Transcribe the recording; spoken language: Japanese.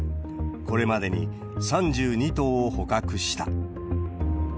これまでに３２頭を捕獲した。